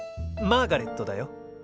「マーガレット」だよ。